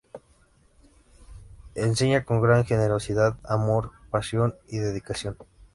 Enseña con gran generosidad, amor, pasión y dedicación.